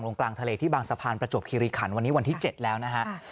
ลงกลางทะเลที่บางสะพานประจวบคิริขันวันนี้วันที่๗แล้วนะฮะ